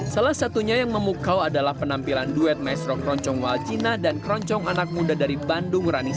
salah satunya yang memukau adalah penampilan duet maestro keroncong waljina dan keroncong anak muda dari bandung rani